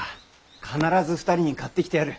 必ず２人に買ってきてやる。